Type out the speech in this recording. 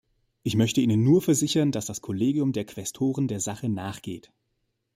Ich möchte Ihnen nur versichern, dass das Kollegium der Quästoren der Sache nachgeht.